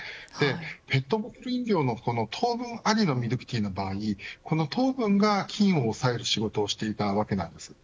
ペットボトル飲料のこの糖分ありのミルクティーの場合この糖分が、菌を抑える仕事をしていたわけなんです。